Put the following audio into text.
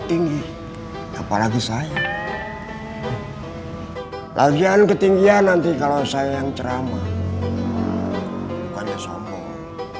tinggi apalagi saya lagian ketinggian nanti kalau saya yang ceramah bukannya sombong